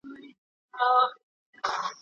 موږ باید د خپل هېواد ستونزې وپېژنو.